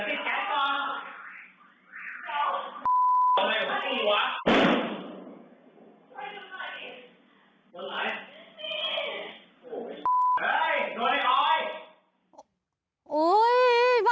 อะไรกับกลุ่มหวะ